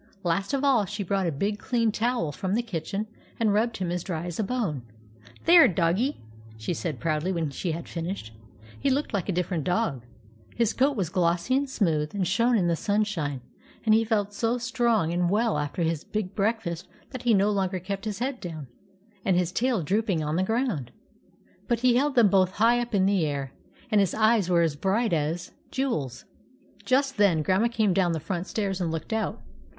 Last of all, she brought a big clean towel from the kitchen and rubbed him as dry as a bone. " There, doggie !" she said proudly when she had finished. He looked like a different dog. His coat was glossy and smooth, and shone in the sunshine ; and he felt so strong and well after his big breakfast that he no longer kept his head down and his tail drooping on the ground ; but he held them both high up in the air, and his eyes were as bright as jewels. Just then Grandma came down the front stairs and looked out.